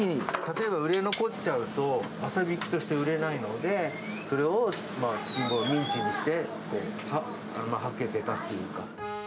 次の日に例えば売り残っちゃうと、朝びきとして売れないので、それをミンチにして、はけてたっていうか。